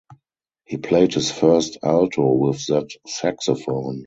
He played his first alto with that saxophone.